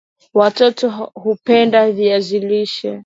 Watoto hupenda viazi lishe